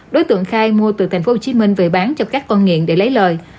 đối tượng khai mua từ tp hcm về bán cho các con nghiện để lấy lời